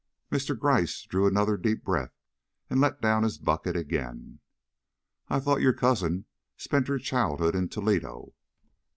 Mr. Gryce drew another deep breath and let down his bucket again. "I thought your cousin spent her childhood in Toledo?"